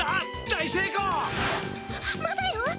まだよ！